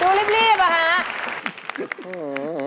หนูรีบอ่ะค่ะ